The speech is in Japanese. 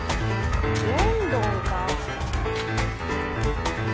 ロンドンか。